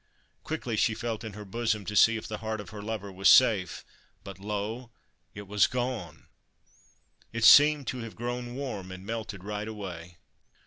Quickly she felt in her bosom to see if the heart of her lover was safe ; but lo, it was gone ! It seemed to have grown warm and melted right away.